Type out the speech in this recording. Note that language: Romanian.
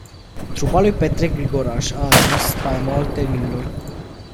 Trupa lui Petre Grigoraș a ajuns spaima oltenilor.